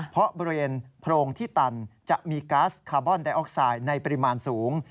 เพราะบริเวณโพรงที่ตันจะมีก๊าซคาร์บอนไดออกไซด์ในปริมาณสูง